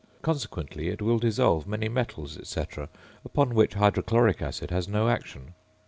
Consequently it will dissolve many metals, &c., upon which hydrochloric acid has no action.